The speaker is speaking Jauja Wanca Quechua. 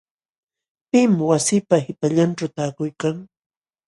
¿Pim wasiipa qipallanćhu taakuykan.?